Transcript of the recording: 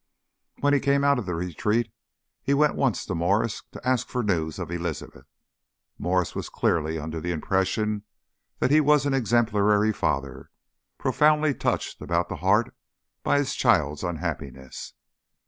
When he came out of retreat he went at once to Mwres to ask for news of Elizabeth. Mwres was clearly under the impression that he was an exemplary father, profoundly touched about the heart by his child's unhappiness.